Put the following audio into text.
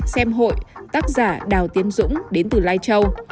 xem hội tác giả đào tiến dũng đến từ lai châu